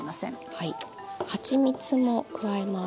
はちみつも加えます。